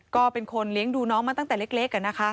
ก็เป็นคนเลี้ยงดูน้องมาตั้งแต่เล็ก